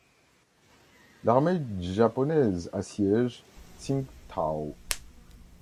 L'armée japonaise assiège Tsingtau.